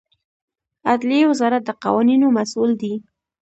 عدلیې وزارت د قوانینو مسوول دی